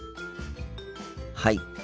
はい。